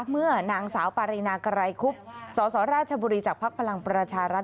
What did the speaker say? เมื่อนางสาวปารีนาไกรคุบสสราชบุรีจากภักดิ์พลังประชารัฐ